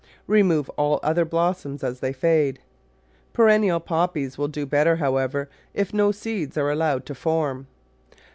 Remove all other blossoms as they fade. Perennial Poppies will do better, however, if no seeds are allowed to form.